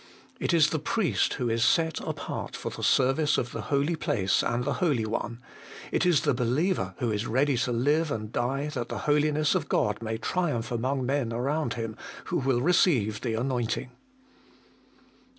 It is the priest who is set apart for the service of the holy place and the Holy One, it is the believer who is ready to live and die that the Holiness of God may triumph among men around him, who will receive the anointing.